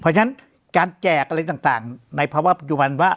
เพราะฉะนั้นการแจกอะไรต่างในภาวะปัจจุบันว่า